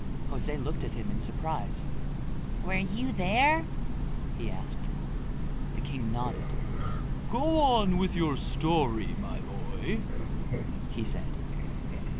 José looked at him in surprise. "Were you there?" he asked. The king nodded. "Go on with your story, my boy," he said.